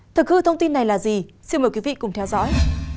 thực hư thông tin này là gì xin mời quý vị cùng theo dõi